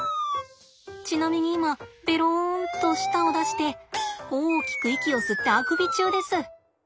ちなみに今ベロンと舌を出して大きく息を吸ってあくび中です。